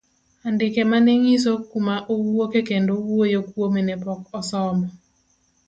Andike mane ng'iso kuma owuoke kendo wuoyo kuome ne pok osomo.